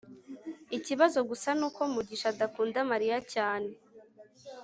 ikibazo gusa nuko mugisha adakunda mariya cyane